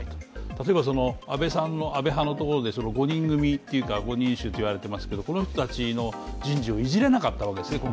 例えば安倍さんのところで５人組というか、５人衆と言われていますけれども、この人たちの人事を今回いじれなかったわけです。